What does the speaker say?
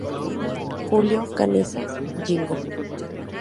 Julio Canessa: Yingo.